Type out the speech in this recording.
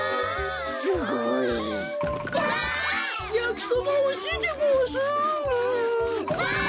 すごい。わ！